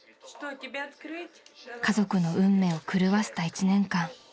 ［家族の運命を狂わせた１年間］